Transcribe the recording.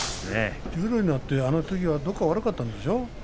十両になったあのときはどこか悪かったんでしょう？